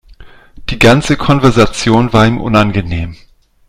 Die ganze Konversation war ihm unangenehm.